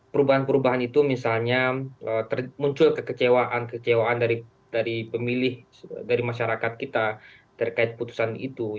perubahan perubahan itu misalnya muncul kekecewaan kekecewaan dari pemilih dari masyarakat kita terkait putusan itu